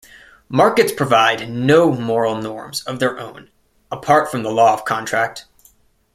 Markets provide no moral norms of their own apart from the law of contract.